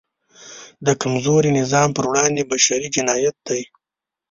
د کمزوري نظام پر وړاندې بشری جنایت دی.